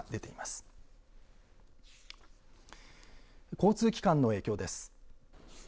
交通機関の影響です。